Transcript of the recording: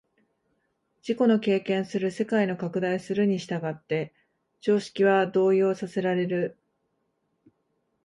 自己の経験する世界の拡大するに従って常識は動揺させられる。